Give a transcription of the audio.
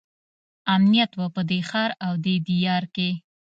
امنیت وو په دې ښار او دې دیار کې.